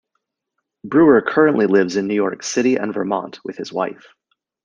Brewer currently lives in New York City and Vermont, with his wife.